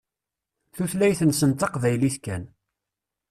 Tutlayt-nsen d taqbaylit kan.